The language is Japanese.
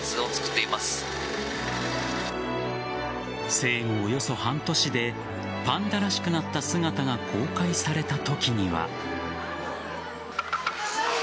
生後およそ半年でパンダらしくなった姿が公開されたときには。